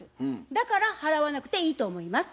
だから払わなくていいと思います。